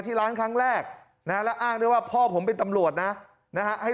ที่ร้านครั้งแรกนะแล้วอ้างด้วยว่าพ่อผมเป็นตำรวจนะนะฮะให้